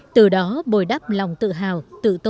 từ đó bồi đắp lòng tự hào tự tôn dân tộc